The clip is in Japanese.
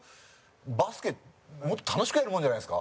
バスケ、もっと楽しくやるもんじゃないですか。